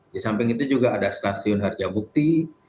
di samping itu juga ada stasiun harja bukti